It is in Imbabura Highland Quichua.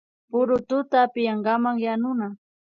Purututa apiyankakaman yanupay